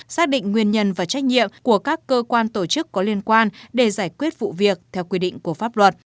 xác định nguyên nhân và trách nhiệm của các cơ quan tổ chức có liên quan để giải quyết vụ việc theo quy định của pháp luật